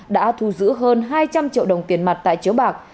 đã thu giữ hơn hai trăm linh triệu đồng tiền mặt tại chiếu bạc